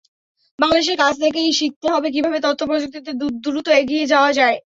বাংলাদেশের কাছ থেকেই শিখতে হবে কীভাবে তথ্যপ্রযুক্তিতে দ্রুত এগিয়ে যাওয়া যায়।